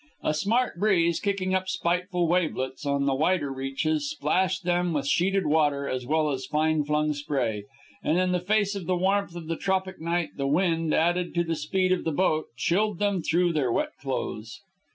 A smart breeze, kicking up spiteful wavelets on the wider reaches, splashed them with sheeted water as well as fine flung spray. And, in the face of the warmth of the tropic night, the wind, added to the speed of the boat, chilled them through their wet clothes.